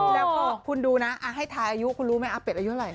แล้วก็คุณดูนะให้ทายอายุคุณรู้ไหมอาเป็ดอายุเท่าไหร่